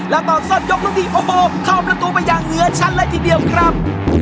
แล้วตอนสอบยกลุ่มดีโอ้โหเข้าเป็นตัวไปอย่างเหนือชั้นแล้วทีเดียวครับ